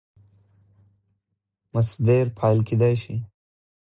مصدر فاعل کېدای سي.